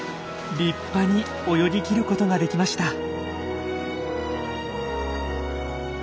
立派に泳ぎきることができました。